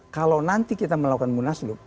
kalau nanti kita melakukan munaslup